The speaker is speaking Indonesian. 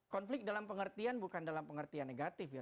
konflik dalam pengertian bukan dalam pengertian negatif ya